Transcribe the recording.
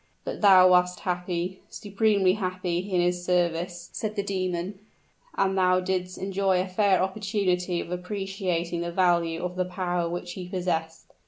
"But thou wast happy supremely happy in his service," said the demon; "and thou didst enjoy a fair opportunity of appreciating the value of the power which he possessed.